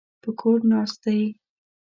په کور ناست دی.